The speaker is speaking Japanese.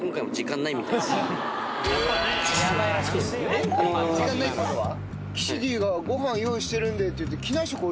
えっ時間ないってことは？